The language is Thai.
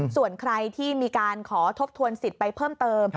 ส่วนใครที่มีการขอทบทวนสิทธิ์ไปเพิ่มเติม